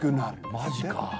マジか。